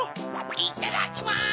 いただきます！